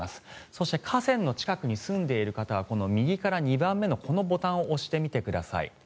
そして河川の近くに住んでいる方はこの右から２番目のこのボタンを押してみてください。